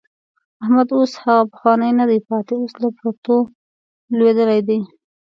احمد اوس هغه پخوانی نه دی پاتې، اوس له پرتو لوېدلی دی.